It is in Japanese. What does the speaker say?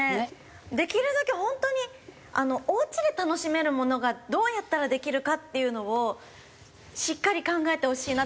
できるだけ本当におうちで楽しめるものがどうやったらできるかっていうのをしっかり考えてほしいな。